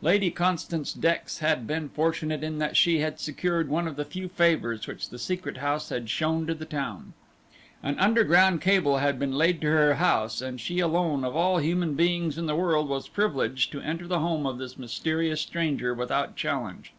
Lady Constance Dex had been fortunate in that she had secured one of the few favours which the Secret House had shown to the town. An underground cable had been laid to her house, and she alone of all human beings in the world was privileged to enter the home of this mysterious stranger without challenge.